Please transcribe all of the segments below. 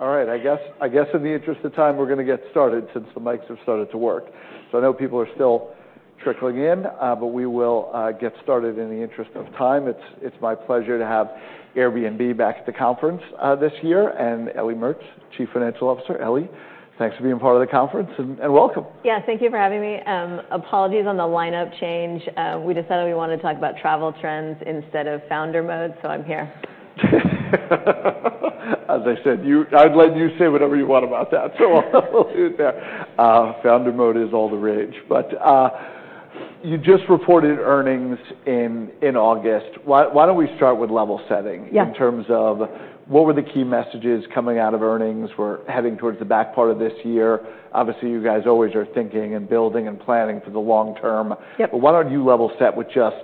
All right, I guess in the interest of time, we're gonna get started since the mics have started to work. So I know people are still trickling in, but we will get started in the interest of time. It's my pleasure to have Airbnb back at the conference this year, and Ellie Mertz, Chief Financial Officer. Ellie, thanks for being part of the conference, and welcome. Yes, thank you for having me. Apologies on the lineup change. We decided we wanted to talk about travel trends instead of Founder Mode, so I'm here. As I said, I'd let you say whatever you want about that, so we'll leave it there. Founder Mode is all the rage. But you just reported earnings in in August. Why don't we start with level setting? Yeah In terms of what were the key messages coming out of earnings? We're heading towards the back part of this year. Obviously, you guys always are thinking and building and planning for the long term. Yep. But why don't you level set with just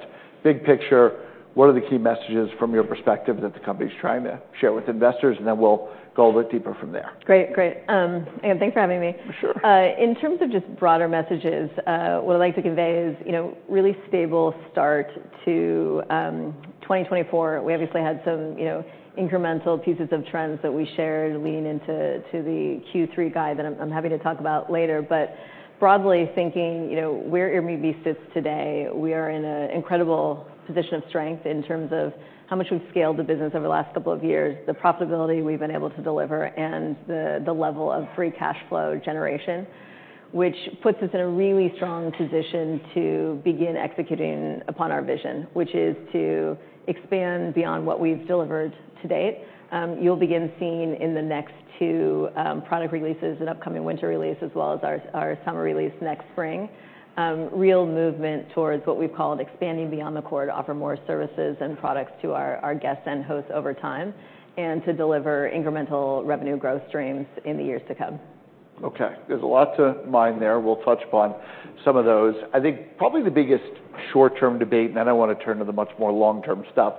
big picture, what are the key messages from your perspective that the company's trying to share with investors? And then we'll go a bit deeper from there. Great. Great. Again, thanks for having me. Sure. In terms of just broader messages, what I'd like to convey is, you know, really stable start to 2024. We obviously had some, you know, incremental pieces of trends that we shared leaning into, to the Q3 guide, that I'm happy to talk about later. But broadly thinking, you know, where Airbnb sits today, we are in a incredible position of strength in terms of how much we've scaled the business over the last couple of years, the profitability we've been able to deliver, and the level of free cash flow generation, which puts us in a really strong position to begin executing upon our vision, which is to expand beyond what we've delivered to date. You'll begin seeing in the next two product releases, an upcoming Winter Release, as well as our Summer Release next spring, real movement towards what we've called expanding beyond the core to offer more services and products to or our guests and hosts over time, and to deliver incremental revenue growth streams in the years to come. Okay, there's a lot to mine there. We'll touch upon some of those. I think probably the biggest short-term debate, and then I want to turn to the much more long-term stuff,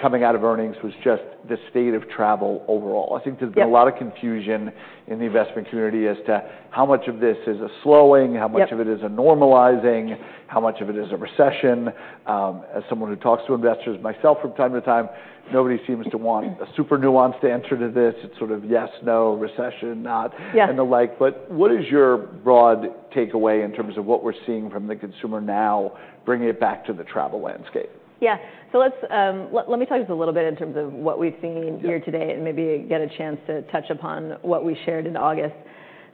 coming out of earnings, was just the state of travel overall. Yep. I think there's been a lot of confusion in the investment community as to how much of this is a slowing- Yep How much of it is a normalizing, how much of it is a recession? As someone who talks to investors myself from time to time, nobody seems to want a super nuanced answer to this. It's sort of yes, no, recession, not- Yep And the like. But what is your broad takeaway in terms of what we're seeing from the consumer now, bringing it back to the travel landscape? Yeah. Let me talk just a little bit in terms of what we've seen. Yeah Here today, and maybe get a chance to touch upon what we shared in August.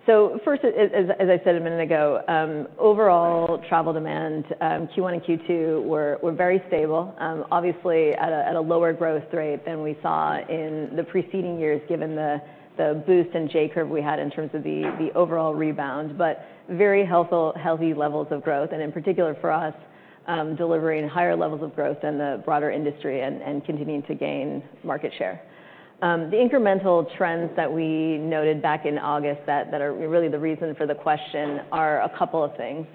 So first, as I said a minute ago, overall travel demand, Q1 and Q2 were very stable. Obviously, at a lower growth rate than we saw in the preceding years, given the boost in J-curve we had in terms of the the overall rebound, but very helpful, healthy levels of growth, and in particular for us, delivering higher levels of growth than the broader industry and continuing to gain market share. The incremental trends that we noted back in August that are really the reason for the question are a couple of things.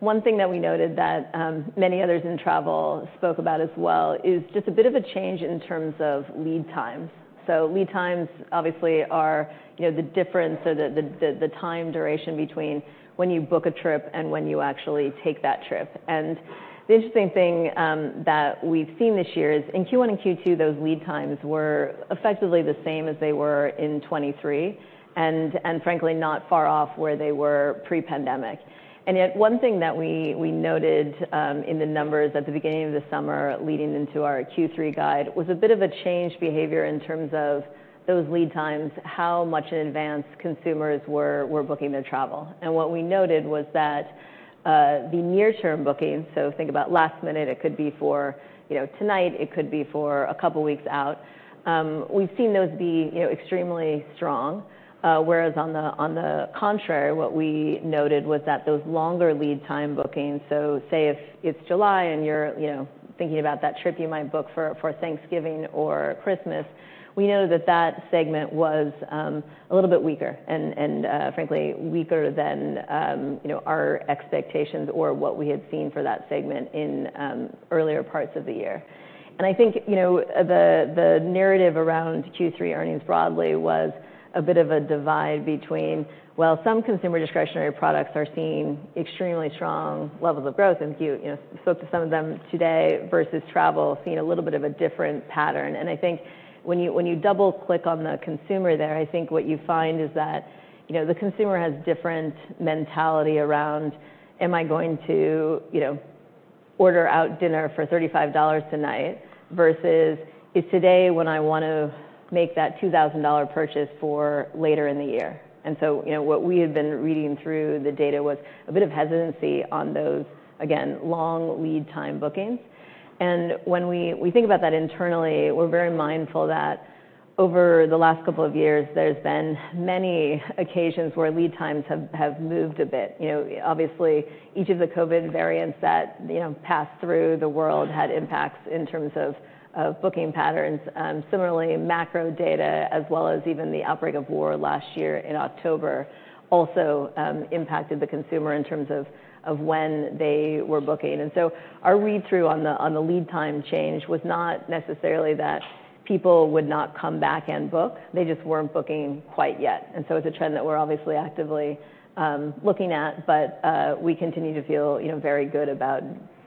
One thing that we noted that many others in travel spoke about as well, is just a bit of a change in terms of lead times. So lead times, obviously, are, you know, the difference or the the the time duration between when you book a trip and when you actually take that trip. And the interesting thing that we've seen this year is in Q1 and Q2, those lead times were effectively the same as they were in 2023, and frankly, not far off where they were pre-pandemic. And yet one thing that we we noted in the numbers at the beginning of the summer, leading into our Q3 guide, was a bit of a change behavior in terms of those lead times, how much in advance consumers were were booking their travel. What we noted was that the near-term bookings, so think about last minute, it could be for, you know, tonight, it could be for a couple of weeks out, we've seen those be, you know, extremely strong. Whereas on the, on the contrary, what we noted was that those longer lead time bookings, so say if it's July and you're, you know, thinking about that trip you might book for for Thanksgiving or Christmas, we know that that segment was a little bit weaker and and frankly weaker than, you know, our expectations or what we had seen for that segment in earlier parts of the year. And I think, you know, the narrative around Q3 earnings broadly was a bit of a divide between, while some consumer discretionary products are seeing extremely strong levels of growth, and you know, spoke to some of them today, versus travel, seeing a little bit of a different pattern. And I think when you double-click on the consumer there, I think what you find is that, you know, the consumer has different mentality around, "Am I going to, you know, order out dinner for $35 tonight?" Versus, "Is today when I want to make that $2,000 purchase for later in the year?" And so what we have been reading through the data was a bit of hesitancy on those, again, long lead time bookings. And when we think about that internally, we're very mindful that over the last couple of years, there's been many occasions where lead times have have moved a bit. You know, obviously, each of the COVID variants that, you know, passed through the world had impacts in terms of booking patterns. Similarly, macro data, as well as even the outbreak of war last year in October, also impacted the consumer in terms of when they were booking. And so our read-through on the lead time change was not necessarily that people would not come back and book. They just weren't booking quite yet. And so it's a trend that we're obviously actively looking at, but we continue to feel, you know, very good about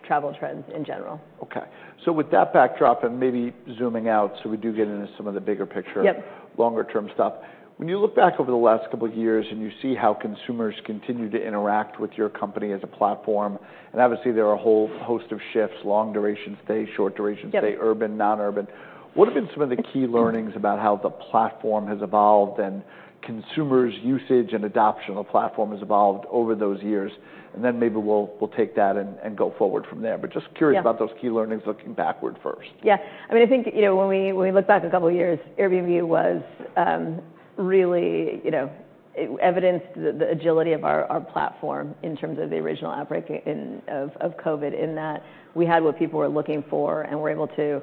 travel trends in general. Okay, so with that backdrop, and maybe zooming out, so we do get into some of the bigger picture. Yep Longer-term stuff. When you look back over the last couple of years, and you see how consumers continue to interact with your company as a platform, and obviously, there are a whole host of shifts, long duration stay, short duration stay- Yep... urban, non-urban. What have been some of the key learnings about how the platform has evolved and consumers' usage and adoption of the platform has evolved over those years? And then maybe we'll, we'll take that and, and go forward from there. Yeah. But just curious about those key learnings, looking backward first. Yeah. I mean, I think, you know, when we look back a couple of years, Airbnb was really, you know, it evidenced the agility of our platform in terms of the original outbreak of COVID, in that we had what people were looking for, and were able to,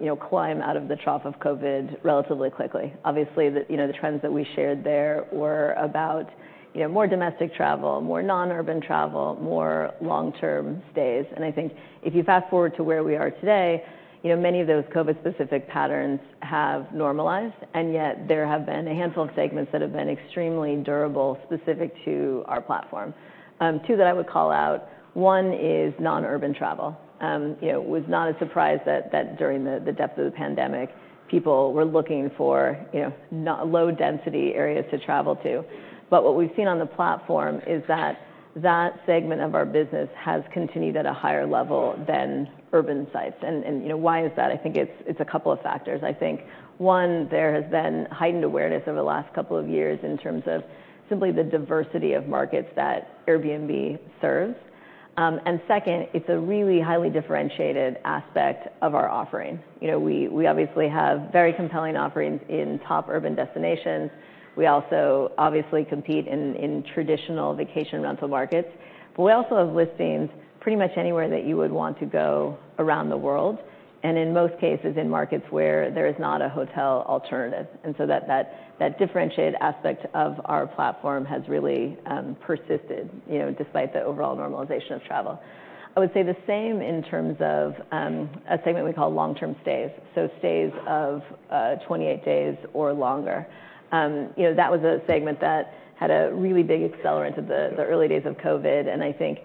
you know, climb out of the trough of COVID relatively quickly. Obviously, you know, the trends that we shared there were about, you know, more domestic travel, more non-urban travel, more long-term stays. And I think if you fast-forward to where we are today, you know, many of those COVID-specific patterns have normalized, and yet there have been a handful of segments that have been extremely durable, specific to our platform. Two that I would call out, one is non-urban travel. You know, it was not a surprise that during the depth of the pandemic, people were looking for, you know, low-density areas to travel to. But what we've seen on the platform is that, that segment of our business has continued at a higher level than urban sites, and and you know, why is that? I think it's a couple of factors. I think, one, there has been heightened awareness over the last couple of years in terms of simply the diversity of markets that Airbnb serves, and second, it's a really highly differentiated aspect of our offering. You know, we we obviously have very compelling offerings in top urban destinations. We also obviously compete in in traditional vacation rental markets, but we also have listings pretty much anywhere that you would want to go around the world, and in most cases, in markets where there is not a hotel alternative. And so that that differentiated aspect of our platform has really persisted, you know, despite the overall normalization of travel. I would say the same in terms of a segment we call long-term stays, so stays of twenty-eight days or longer. You know, that was a segment that had a really big accelerant at the early days of COVID, and I think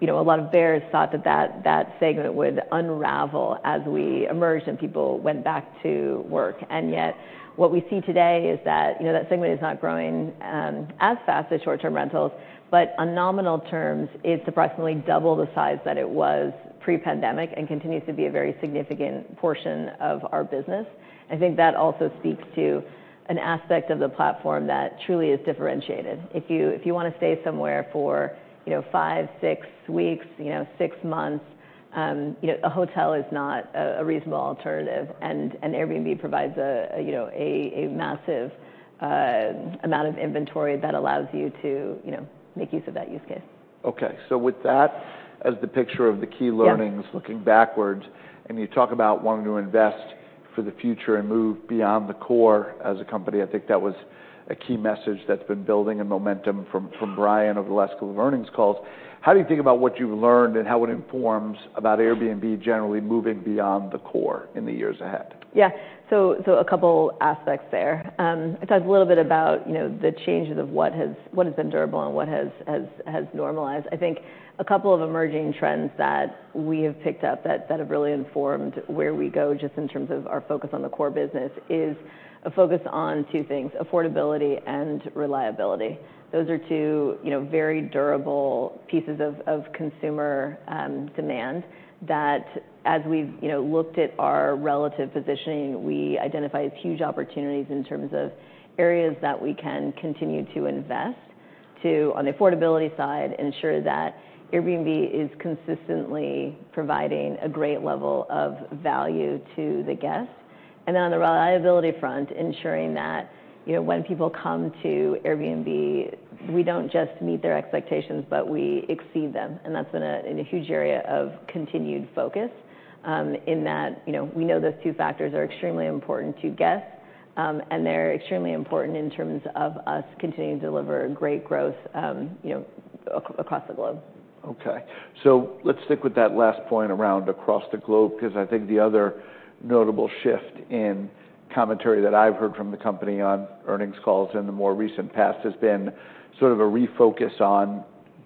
you know, a lot of bears thought that, that segment would unravel as we emerged and people went back to work. And yet, what we see today is that, you know, that segment is not growing as fast as short-term rentals, but on nominal terms, it's approximately double the size that it was pre-pandemic, and continues to be a very significant portion of our business. I think that also speaks to an aspect of the platform that truly is differentiated. If you, if you wanna stay somewhere for, you know, five, six weeks, you know, six months, you know, a hotel is not a reasonable alternative, and Airbnb provides a, you know, a a massive amount of inventory that allows you to, you know, make use of that use case. Okay, so with that as the picture of the key learnings- Yeah... looking backwards, and you talk about wanting to invest for the future and move beyond the core as a company. I think that was a key message that's been building in momentum from from Brian over the last couple of earnings calls. How do you think about what you've learned and how it informs about Airbnb generally moving beyond the core in the years ahead? Yeah. So so, a couple aspects there. I talked a little bit about, you know, the changes of what has been durable and what has has has normalized. I think a couple of emerging trends that we have picked up that have really informed where we go, just in terms of our focus on the core business, is a focus on two things: affordability and reliability. Those are two, you know, very durable pieces of of consumer and demand, that as we've, you know, looked at our relative positioning, we identify as huge opportunities in terms of areas that we can continue to invest. To, on the affordability side, ensure that Airbnb is consistently providing a great level of value to the guest. And on the reliability front, ensuring that, you know, when people come to Airbnb, we don't just meet their expectations, but we exceed them. That's been a huge area of continued focus, in that, you know, we know those two factors are extremely important to guests, and they're extremely important in terms of us continuing to deliver great growth, you know, across the globe. Okay. So let's stick with that last point around across the globe, 'cause I think the other notable shift in commentary that I've heard from the company on earnings calls in the more recent past, has been sort of a refocus on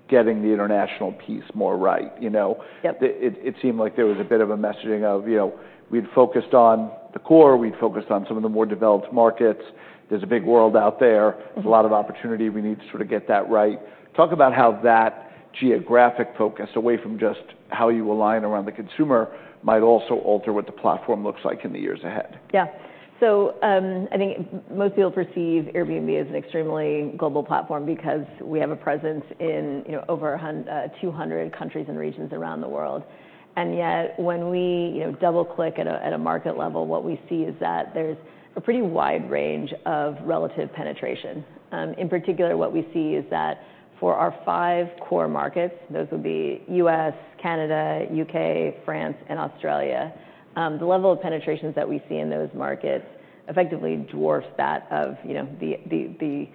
getting the international piece more right, you know. Yep. It seemed like there was a bit of a messaging of, you know, we'd focused on the core, we'd focused on some of the more developed markets. There's a big world out there. Mm-hmm. There's a lot of opportunity. We need to sort of get that right. Talk about how that geographic focus, away from just how you align around the consumer, might also alter what the platform looks like in the years ahead. Yeah. So, I think most people perceive Airbnb as an extremely global platform because we have a presence in, you know, over two hundred countries and regions around the world. And yet, when we, you know, double-click at a market level, what we see is that there's a pretty wide range of relative penetration. In particular, what we see is that for our five core markets, those would be U.S., Canada, U.K., France and Australia, the level of penetrations that we see in those markets effectively dwarf that of, you know, the the the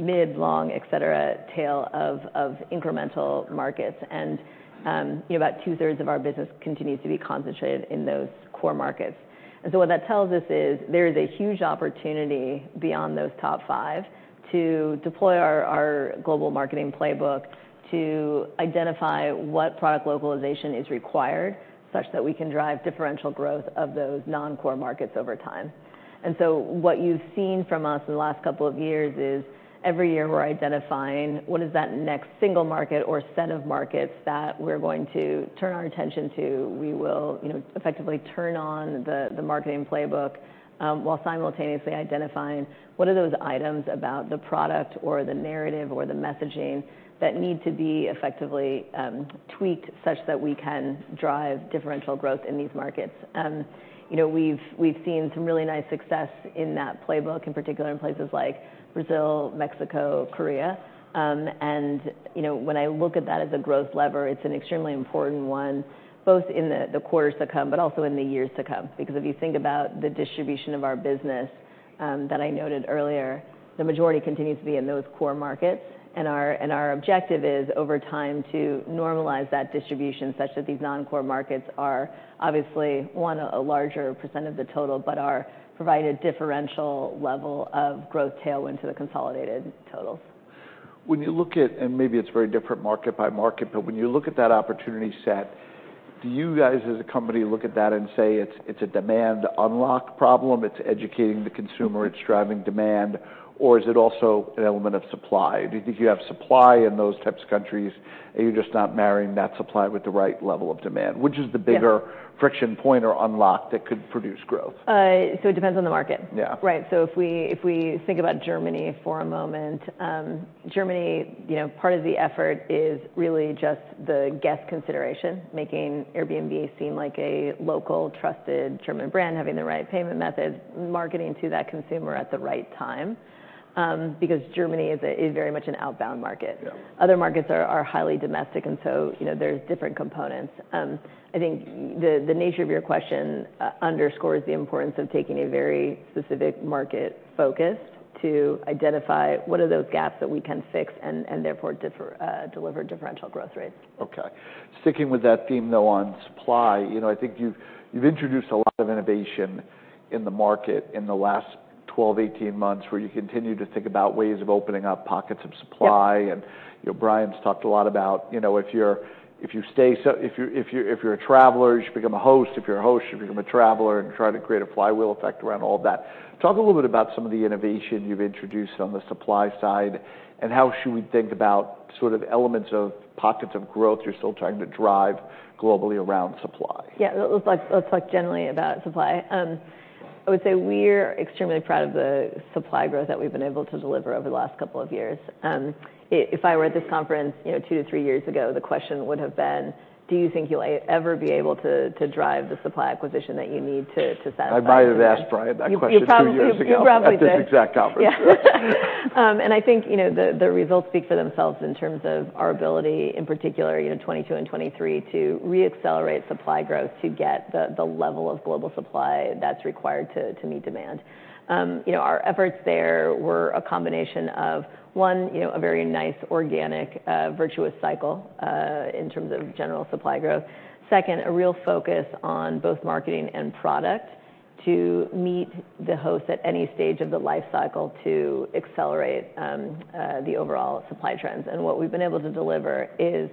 mid, long, et cetera, tail of of incremental markets. And, and, about two-thirds of our business continues to be concentrated in those core markets. And so what that tells us is, there is a huge opportunity beyond those top five to deploy our our global marketing playbook to identify what product localization is required, such that we can drive differential growth of those non-core markets over time. And so what you've seen from us in the last couple of years is, every year, we're identifying what is that next single market or set of markets that we're going to turn our attention to. We will, you know, effectively turn on the marketing playbook, while simultaneously identifying what are those items about the product or the narrative or the messaging that need to be effectively tweaked, such that we can drive differential growth in these markets. You know, we've we've seen some really nice success in that playbook, in particular, in places like Brazil, Mexico, Korea. And, you know, when I look at that as a growth lever, it's an extremely important one, both in the quarters to come, but also in the years to come. Because if you think about the distribution of our business, that I noted earlier, the majority continues to be in those core markets. And our, and our objective is, over time, to normalize that distribution such that these non-core markets are obviously, one, a larger percent of the total, but our provide a differential level of growth tail into the consolidated totals. When you look at, and maybe it's very different market by market, but when you look at that opportunity set, do you guys, as a company, look at that and say, it's, it's a demand unlock problem, it's educating the consumer, it's driving demand, or is it also an element of supply? Do you think you have supply in those types of countries, and you're just not marrying that supply with the right level of demand? Yeah. Which is the bigger friction point or unlock that could produce growth? So it depends on the market. Yeah. Right. So if we, if we think about Germany for a moment, Germany, you know, part of the effort is really just the guest consideration, making Airbnb seem like a local, trusted German brand, having the right payment methods, marketing to that consumer at the right time, because Germany is very much an outbound market. Yeah. Other markets are highly domestic, and so, you know, there's different components. I think the the nature of your question underscores the importance of taking a very specific market focus to identify what are those gaps that we can fix and therefore deliver differential growth rates. Okay. Sticking with that theme, though, on supply, you know, I think you've introduced a lot of innovation in the market in the last 12-18 months, where you continue to think about ways of opening up pockets of supply. Yep. You know, Brian's talked a lot about, you know, if you stay, if if you're a traveler, you should become a host, if you're a host, you become a traveler, and try to create a flywheel effect around all that. Talk a little bit about some of the innovation you've introduced on the supply side, and how should we think about sort of elements of pockets of growth you're still trying to drive globally around supply? Yeah. Let's talk generally about supply. I would say we're extremely proud of the supply growth that we've been able to deliver over the last couple of years. If I were at this conference, you know, two to three years ago, the question would have been: Do you think you'll ever be able to to drive the supply acquisition that you need to satisfy? I might have asked Brian that question two years ago. You probably did.... at this exact conference. Yeah. And I think, you know, the results speak for themselves in terms of our ability, in particular, you know, 2022 and 2023, to re-accelerate supply growth, to get the level of global supply that's required to meet demand. You know, our efforts there were a combination of, one, you know, a very nice, organic, virtuous cycle in terms of general supply growth. Second, a real focus on both marketing and product to meet the host at any stage of the life cycle to accelerate the overall supply trends. And what we've been able to deliver is,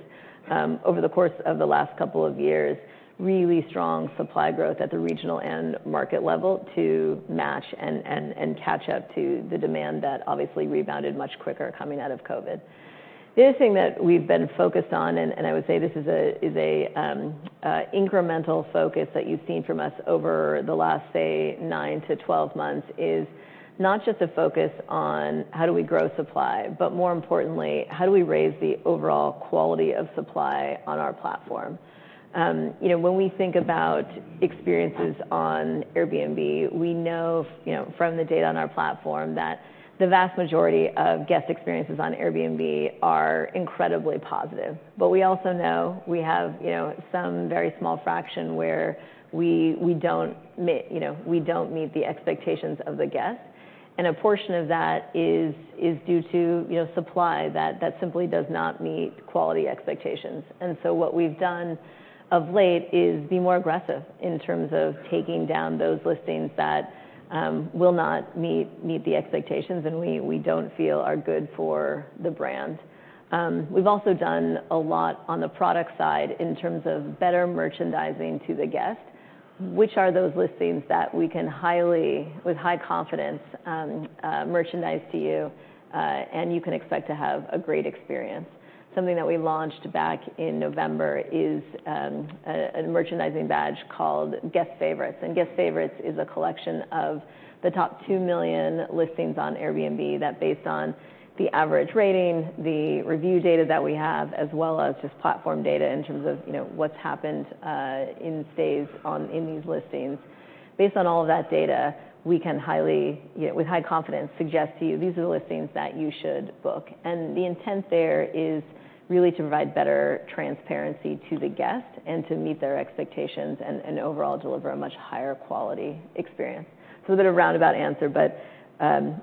over the course of the last couple of years, really strong supply growth at the regional and market level to match and and catch up to the demand that obviously rebounded much quicker coming out of COVID. The other thing that we've been focused on, and I would say this is a is a incremental focus that you've seen from us over the last, say, nine to 12 months, is not just a focus on how do we grow supply, but more importantly, how do we raise the overall quality of supply on our platform. You know, when we think about experiences on Airbnb, we know, you know, from the data on our platform, that the vast majority of guest experiences on Airbnb are incredibly positive. But we also know we have, you know, some very small fraction where we we don't, you know, meet the expectations of the guest, and a portion of that is is due to, you know, supply that simply does not meet quality expectations. And so what we've done of late is be more aggressive in terms of taking down those listings that will not meet the expectations and we we don't feel are good for the brand. We've also done a lot on the product side in terms of better merchandising to the guest, which are those listings that we can highly, with high confidence, merchandise to you and you can expect to have a great experience. Something that we launched back in November is a merchandising badge called Guest Favorites. Guest Favorites is a collection of the top two million listings on Airbnb that, based on the average rating, the review data that we have, as well as just platform data in terms of, you know, what's happened in stays on in these listings. Based on all of that data, we can highly, you know, with high confidence, suggest to you, these are the listings that you should book. And the intent there is really to provide better transparency to the guest and to meet their expectations, and overall, deliver a much higher quality experience. So a bit of roundabout answer, but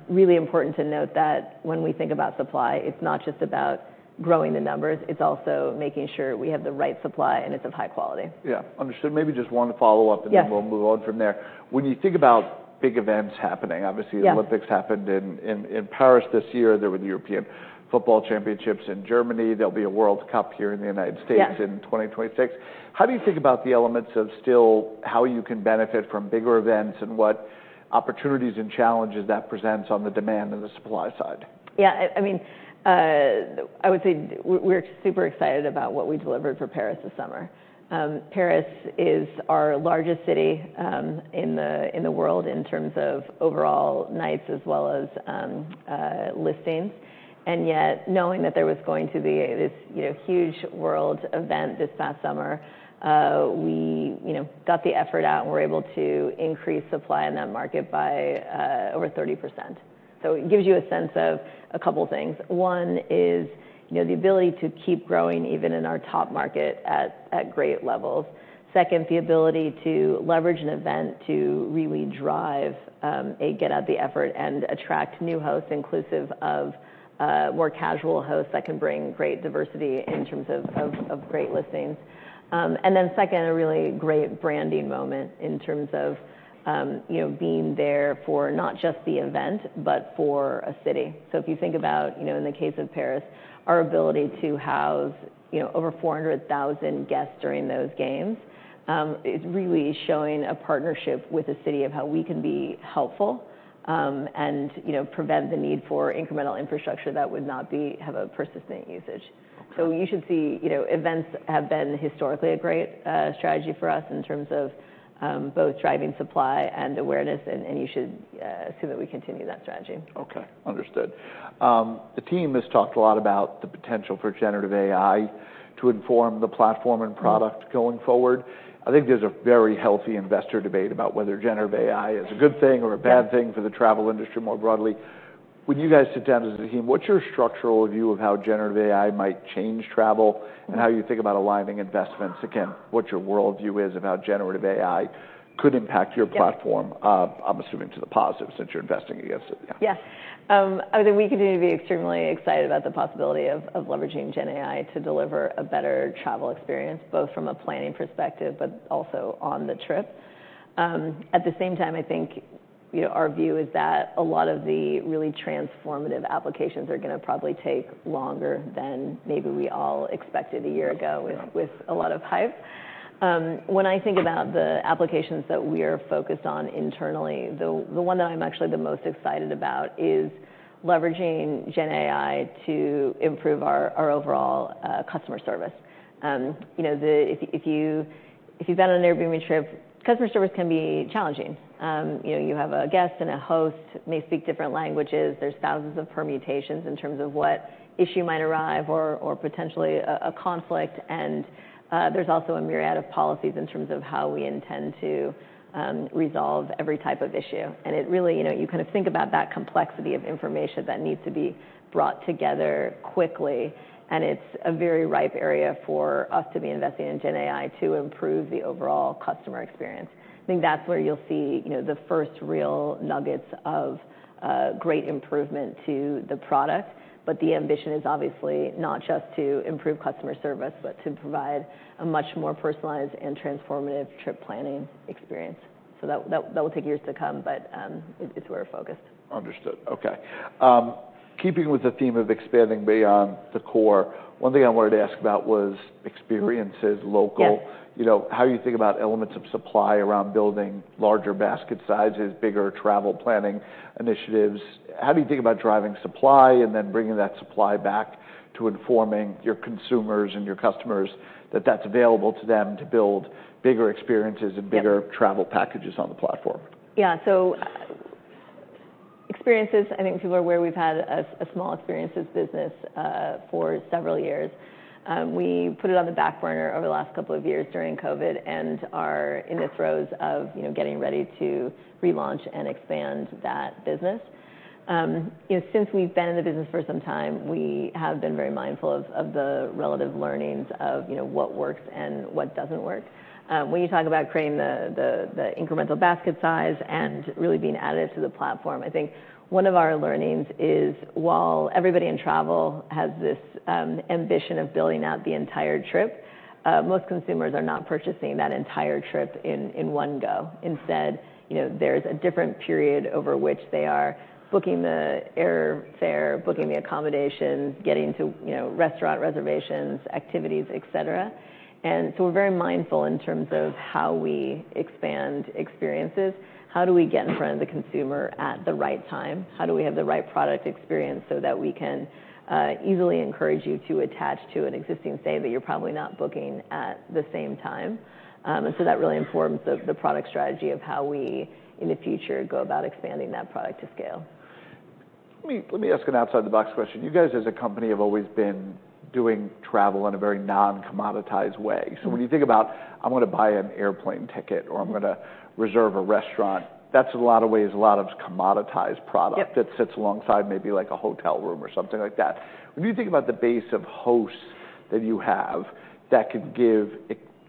really important to note that when we think about supply, it's not just about growing the numbers, it's also making sure we have the right supply, and it's of high quality. Yeah. Understood. Maybe just one follow-up- Yes... and then we'll move on from there. When you think about big events happening, obviously. Yeah... the Olympics happened in Paris this year. There were the European Football Championships in Germany. There'll be a World Cup here in the United States- Yeah... in 2026. How do you think about the elements of still, how you can benefit from bigger events, and what opportunities and challenges that presents on the demand and the supply side? Yeah, I mean, I would say we're super excited about what we delivered for Paris this summer. Paris is our largest city in the, in the world, in terms of overall nights as well as listings. And yet, knowing that there was going to be this, you know, huge world event this past summer, we, you know, got the effort out and were able to increase supply in that market by over 30%. So it gives you a sense of a couple things. One is, you know, the ability to keep growing, even in our top market, at at great levels. Second, the ability to leverage an event to really drive a get-out-the-effort and attract new hosts, inclusive of more casual hosts that can bring great diversity in terms of of great listings. And then second, a really great branding moment in terms of, you know, being there for not just the event, but for a city. So if you think about, you know, in the case of Paris, our ability to house, you know, over 400,000 guests during those games, is really showing a partnership with the city of how we can be helpful, and, you know, prevent the need for incremental infrastructure that would not have a persistent usage. So you should see, you know, events have been historically a great strategy for us in terms of both driving supply and awareness, and you should assume that we continue that strategy. Okay, understood. The team has talked a lot about the potential for generative AI to inform the platform and product going forward. I think there's a very healthy investor debate about whether generative AI is a good thing or a bad thing for the travel industry more broadly. When you guys sit down as a team, what's your structural view of how generative AI might change travel, and how you think about aligning investments? Again, what your worldview is and how generative AI could impact your platform? Yes. I'm assuming to the positive, since you're investing against it, yeah. Yes. I think we continue to be extremely excited about the possibility of leveraging Gen AI to deliver a better travel experience, both from a planning perspective, but also on the trip. At the same time, I think, you know, our view is that a lot of the really transformative applications are gonna probably take longer than maybe we all expected a year ago- Yeah with a lot of hype. When I think about the applications that we are focused on internally, the one that I'm actually the most excited about is leveraging Gen AI to improve our overall customer service. You know, if you've been on an Airbnb trip, customer service can be challenging. You know, you have a guest, and a host, may speak different languages. There's thousands of permutations in terms of what issue might arrive or or potentially a conflict, and there's also a myriad of policies in terms of how we intend to resolve every type of issue. And it really, you know, you kind of think about that complexity of information that needs to be brought together quickly, and it's a very ripe area for us to be investing in Gen AI to improve the overall customer experience. I think that's where you'll see, you know, the first real nuggets of great improvement to the product. But the ambition is obviously not just to improve customer service, but to provide a much more personalized and transformative trip planning experience. So that that will take years to come, but it's where we're focused. Understood. Okay. Keeping with the theme of expanding beyond the core, one thing I wanted to ask about was experiences, local. Yes. You know, how you think about elements of supply around building larger basket sizes, bigger travel planning initiatives? How do you think about driving supply and then bringing that supply back to informing your consumers and your customers that that's available to them to build bigger experiences- Yep and bigger travel packages on the platform? Yeah. So Experiences, I think people are aware we've had a small Experiences business for several years. We put it on the back burner over the last couple of years during COVID, and are in the throes of, you know, getting ready to relaunch and expand that business. You know, since we've been in the business for some time, we have been very mindful of the relative learnings of, you know, what works and what doesn't work. When you talk about creating the the incremental basket size and really being added to the platform, I think one of our learnings is, while everybody in travel has this ambition of building out the entire trip, most consumers are not purchasing that entire trip in in one go. Instead, you know, there's a different period over which they are booking the airfare, booking the accommodations, getting to, you know, restaurant reservations, activities, et cetera, and so we're very mindful in terms of how we expand experiences. How do we get in front of the consumer at the right time? How do we have the right product experience so that we can easily encourage you to attach to an existing stay, that you're probably not booking at the same time, and so that really informs the product strategy of how we, in the future, go about expanding that product to scale. Let me ask an outside-the-box question. You guys, as a company, have always been doing travel in a very non-commoditized way. Mm-hmm. So when you think about, "I'm gonna buy an airplane ticket," or- Mm-hmm I'm gonna reserve a restaurant," that's a lot of ways, a lot of commoditized product- Yep That sits alongside maybe, like, a hotel room or something like that. When you think about the base of hosts that you have, that could give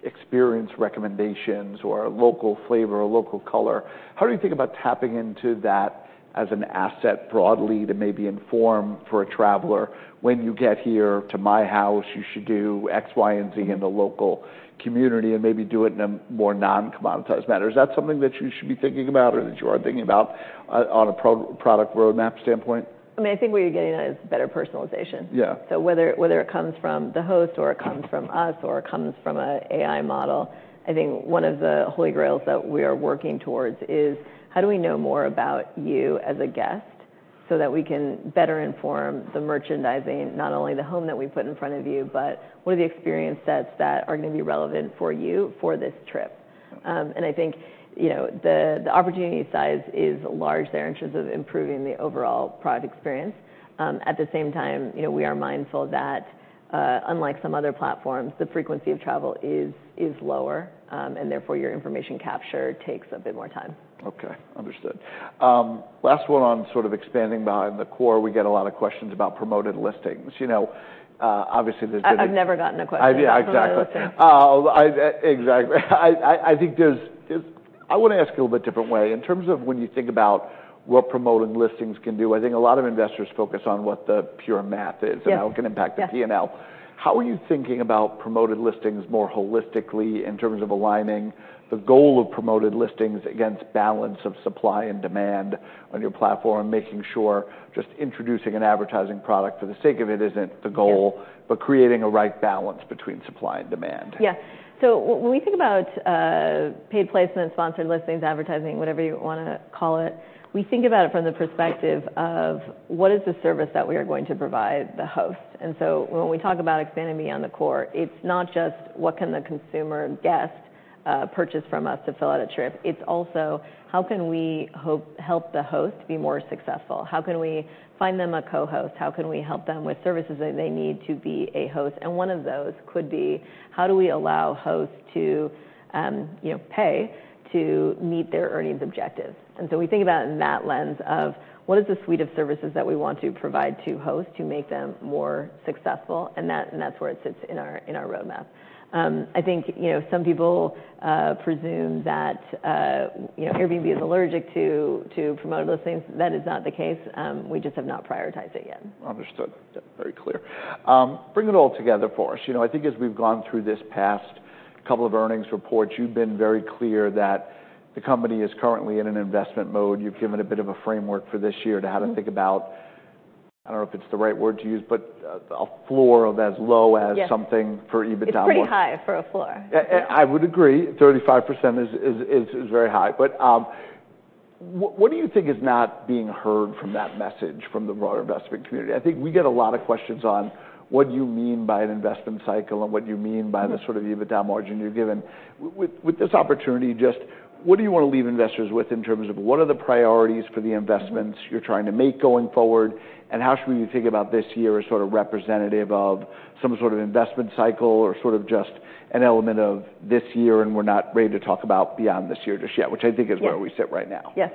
experience recommendations, or a local flavor, a local color, how do you think about tapping into that as an asset broadly, that may be informed for a traveler? "When you get here to my house, you should do X, Y, and Z in the local community," and maybe do it in a more non-commoditized manner. Is that something that you should be thinking about or that you are thinking about on a product roadmap standpoint? I mean, I think what you're getting at is better personalization. Yeah. So whether it comes from the host or it comes from us, or it comes from an AI model, I think one of the holy grails that we are working towards is: how do we know more about you as a guest, so that we can better inform the merchandising, not only the home that we put in front of you, but what are the experience sets that are gonna be relevant for you for this trip? And I think, you know, the the opportunity size is large there in terms of improving the overall product experience. At the same time, you know, we are mindful that, unlike some other platforms, the frequency of travel is is lower, and therefore, your information capture takes a bit more time. Okay, understood. Last one on sort of expanding beyond the core. We get a lot of questions about promoted listings. You know, obviously, there's- I've never gotten a question. I yeah, exactly. That's what I was saying. Exactly. I think there's... I want to ask a little bit different way. In terms of when you think about what promoted listings can do, I think a lot of investors focus on what the pure math is- Yes and how it can impact the P&L. Yes. How are you thinking about Promoted Listings more holistically in terms of aligning the goal of Promoted Listings against balance of supply and demand on your platform, making sure just introducing an advertising product for the sake of it isn't the goal- Yes but creating a right balance between supply and demand? Yes. So when we think about, paid placement, sponsored listings, advertising, whatever you wanna call it, we think about it from the perspective of: What is the service that we are going to provide the host? And so when we talk about expanding beyond the core, it's not just what can the consumer guest, purchase from us to fill out a trip, it's also how can we help the host be more successful? How can we find them a co-host? How can we help them with services that they need to be a host? And one of those could be, how do we allow hosts to, you know, pay to meet their earnings objectives? And so we think about it in that lens of what is the suite of services that we want to provide to hosts to make them more successful, and that that's where it sits in our roadmap. I think, you know, some people presume that, you know, Airbnb is allergic to promoted listings. That is not the case. We just have not prioritized it yet. Understood. Yep, very clear. Bring it all together for us. You know, I think as we've gone through this past couple of earnings reports, you've been very clear that the company is currently in an investment mode. You've given a bit of a framework for this year- Mm-hmm - to how to think about, I don't know if it's the right word to use, but, a floor of as low as- Yes something for EBITDA margin. It's pretty high for a floor. I would agree, 35% is is is very high. But, what do you think is not being heard from that message, from the broader investment community? I think we get a lot of questions on, What do you mean by an investment cycle? And what do you mean by- Yes the sort of EBITDA margin you're given. With this opportunity, just what do you want to leave investors with in terms of what are the priorities for the investments? Mm-hmm You're trying to make going forward? And how should we think about this year as sort of representative of some sort of investment cycle, or sort of just an element of this year, and we're not ready to talk about beyond this year just yet, which I think is- Yes Where we sit right now? Yes.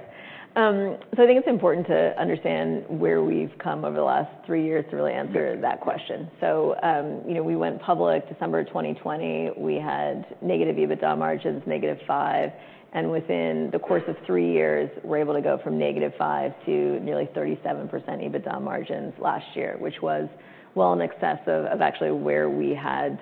So I think it's important to understand where we've come over the last three years to really answer- Sure That question. So, you know, we went public December of 2020. We had negative EBITDA margins, negative 5%, and within the course of three years, we're able to go from negative 5% to nearly 37% EBITDA margins last year, which was well in excess of actually where we had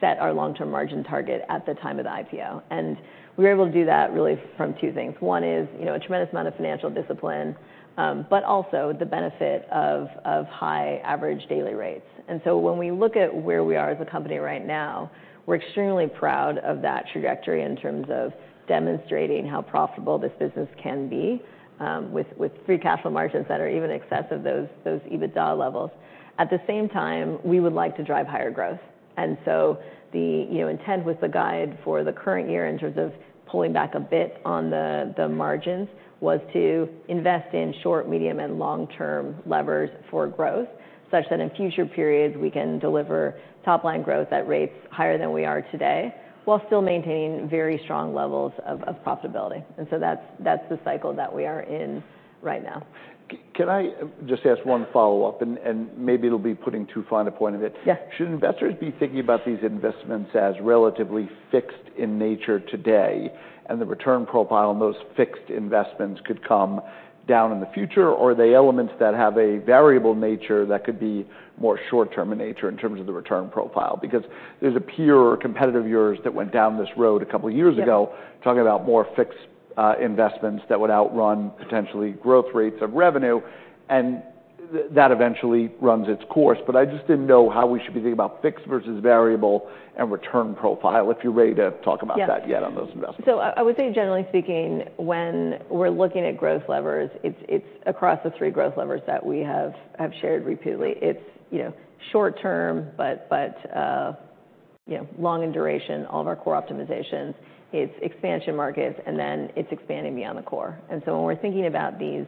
set our long-term margin target at the time of the IPO. And we were able to do that really from two things. One is, you know, a tremendous amount of financial discipline, but also the benefit of of high average daily rates. And so when we look at where we are as a company right now, we're extremely proud of that trajectory in terms of demonstrating how profitable this business can be, with with free cash flow margins that are even in excess of those those EBITDA levels. At the same time, we would like to drive higher growth, and so the, you know, intent with the guidance for the current year in terms of pulling back a bit on the the margins, was to invest in short, medium, and long-term levers for growth, such that in future periods, we can deliver top-line growth at rates higher than we are today, while still maintaining very strong levels of of profitability, and so that's that's the cycle that we are in right now. Can I just ask one follow-up, and and maybe it'll be putting too fine a point on it? Yeah. Should investors be thinking about these investments as relatively fixed in nature today, and the return profile on those fixed investments could come down in the future? Or are they elements that have a variable nature that could be more short-term in nature in terms of the return profile? Because there's a peer or competitive universe that went down this road a couple of years ago- Yes - talking about more fixed, investments that would outrun potentially growth rates of revenue, and that eventually runs its course. But I just didn't know how we should be thinking about fixed versus variable and return profile, if you're ready to talk about that- Yes - yet on those investments. So I would say, generally speaking, when we're looking at growth levers, it's it's across the three growth levers that we have, have shared repeatedly. It's, you know, short term, but but, you know, long in duration, all of our core optimizations, it's expansion markets, and then it's expanding beyond the core. And so when we're thinking about these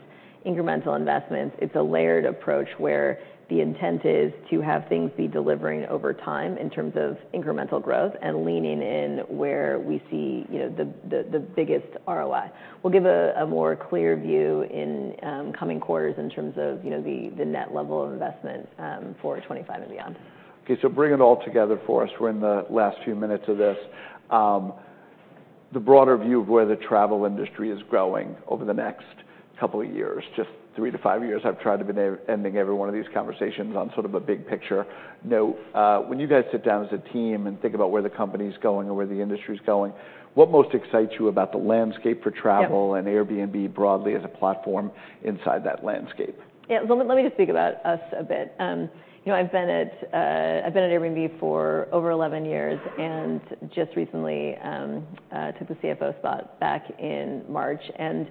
incremental investments, it's a layered approach, where the intent is to have things be delivering over time in terms of incremental growth and leaning in where we see, you know, the the biggest ROI. We'll give a more clear view in coming quarters in terms of, you know, the net level of investment for 2025 and beyond. Okay, so bring it all together for us. We're in the last few minutes of this. The broader view of where the travel industry is growing over the next couple of years, just three to five years, I've tried to be ending every one of these conversations on sort of a big picture. Now, when you guys sit down as a team and think about where the company's going or where the industry's going, what most excites you about the landscape for travel- Yes - and Airbnb broadly as a platform inside that landscape? Yeah. Let me, let me just speak about us a bit. You know, I've been at Airbnb for over 11 years, and just recently took the CFO spot back in March, and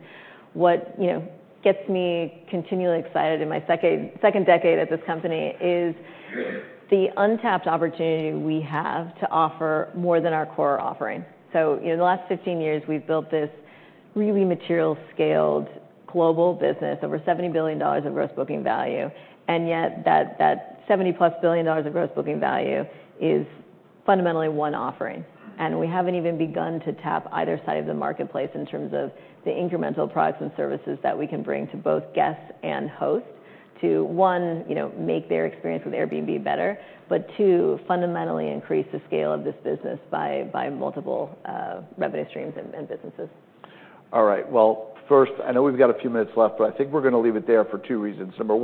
what you know gets me continually excited in my second, second decade at this company is the untapped opportunity we have to offer more than our core offering. So, you know, in the last 15 years, we've built this really material, scaled global business, over $70 billion of gross booking value, and yet that, that $70-plus billion of gross booking value is fundamentally one offering. And we haven't even begun to tap either side of the marketplace in terms of the incremental products and services that we can bring to both guests and hosts, to one, you know, make their experience with Airbnb better, but two, fundamentally increase the scale of this business by by multiple revenue streams and businesses. All right. Well, first, I know we've got a few minutes left, but I think we're gonna leave it there for two reasons. Number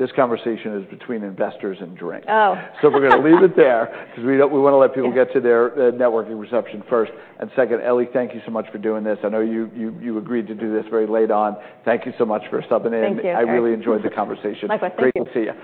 one, this conversation is between investors and Brian. Oh. So we're gonna leave it there, because we wanna let people- Yes Get to their networking reception first. And second, Ellie, thank you so much for doing this. I know you you agreed to do this very late on. Thank you so much for stepping in. Thank you. I really enjoyed the conversation. Likewise. Thank you. Great to see you.